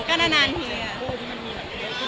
อันนานทีอะ